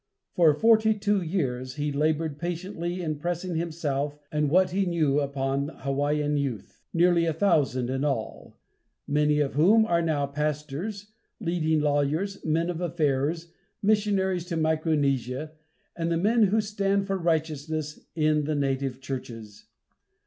For forty two years he labored patiently in pressing himself and what he knew upon Hawaiian youth nearly a thousand in all many of whom are now pastors, leading lawyers, men of affairs, missionaries to Micronesia, and the men who stand for righteousness in the native churches.